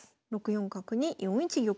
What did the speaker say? ６四角に４一玉。